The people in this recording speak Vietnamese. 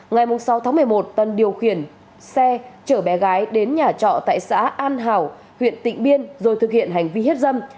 ngày sáu tháng một mươi một tân điều khiển xe chở bé gái đến nhà trọ tại xã an hảo huyện tịnh biên rồi thực hiện hành vi hiếp dâm